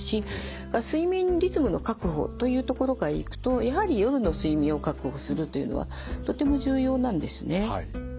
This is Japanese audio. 睡眠リズムの確保というところからいくとやはり夜の睡眠を確保するというのはとても重要なんですね。